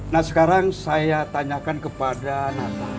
nah sekarang saya tanyakan kepada nata